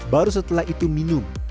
baru setelah itu minum